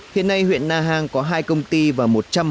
hiện nay huyện na hàng có hai công ty và một trăm linh hộ gia đình